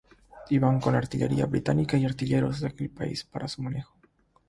Iban con artillería británica y artilleros de aquel país para su manejo.